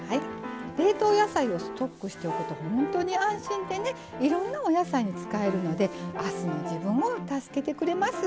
冷凍野菜をストックしておくとほんとに安心でねいろんなお野菜に使えるので明日の自分を助けてくれます。